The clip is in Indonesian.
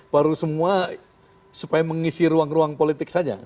baru semua supaya mengisi ruang ruang politik saja